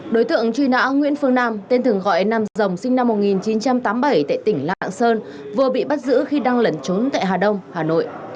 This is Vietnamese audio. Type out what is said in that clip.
đối tượng truy nã nguyễn phương nam tên thường gọi nam rồng sinh năm một nghìn chín trăm tám mươi bảy tại tỉnh lạng sơn vừa bị bắt giữ khi đang lẩn trốn tại hà đông hà nội